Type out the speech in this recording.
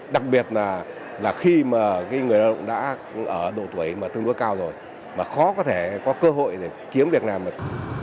đặc biệt là khi người lao động đã ở độ tuổi tương đối cao rồi khó có thể có cơ hội để kiếm việc làm được